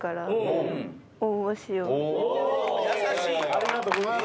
ありがとうございます。